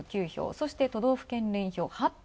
そして、都道府県連票、８票。